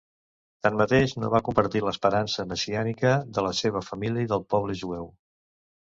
Tanmateix, no va compartir l'esperança messiànica de la seva família i del poble jueu.